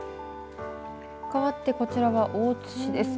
かわって、こちらは大津市です。